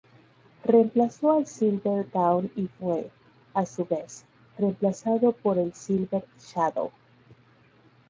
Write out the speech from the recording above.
Reemplazó al Silver Dawn y fue, a su vez, reemplazado por el Silver Shadow.